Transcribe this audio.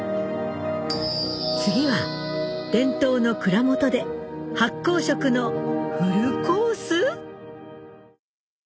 次は伝統の蔵元で発酵食のフルコース？